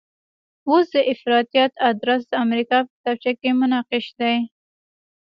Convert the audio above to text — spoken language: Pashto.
اوس د افراطیت ادرس د امریکا په کتابچه کې منقش دی.